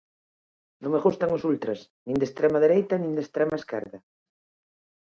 Non me gustan os ultras, nin de extrema dereita nin de extrema esquerda.